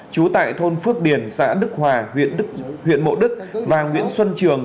trú tại thôn phước điền xã đức hòa huyện mộ đức và nguyễn xuân trường